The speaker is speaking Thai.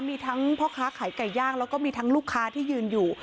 มีทั้งพ่อค้าขายไก่ย่างแล้วก็มีทั้งลูกค้าที่ยืนอยู่